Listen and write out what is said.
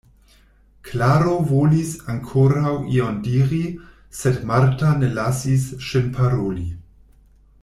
Klaro volis ankoraŭ ion diri, sed Marta ne lasis ŝin paroli.